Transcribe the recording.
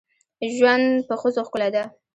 ژوند په ښځو ښکلی ده.